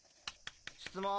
質問！